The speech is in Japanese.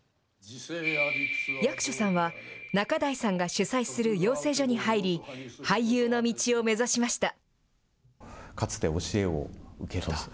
役所さんは、仲代さんが主宰する養成所に入り、俳優の道を目指しました。